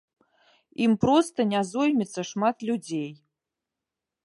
Ім проста не зоймецца шмат людзей.